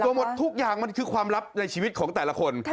หมดทุกอย่างมันคือความลับในชีวิตของแต่ละคน